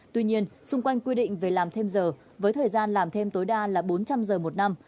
tuy nhiên xung quanh quy định về làm thêm giờ với thời gian làm thêm tối đa là bốn trăm linh giờ một năm